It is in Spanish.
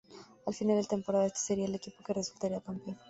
Al final de temporada este sería el equipo que resultara campeón.